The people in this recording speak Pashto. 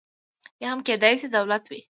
یا هم کېدای شي دولت وي.